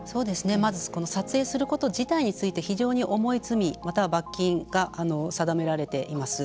まずこの撮影すること自体について非常に重い罪または罰金が定められています。